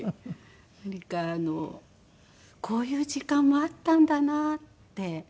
なんかこういう時間もあったんだなって。